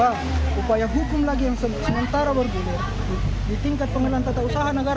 nah inilah yang menjadi acuan saya